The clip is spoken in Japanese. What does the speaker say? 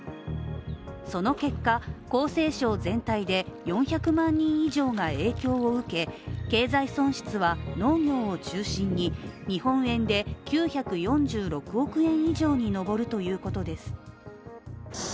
その結果、江西省全体で４００万人以上が影響を受け経済損失は農業を中心に日本円で９４６億円以上に上るということです。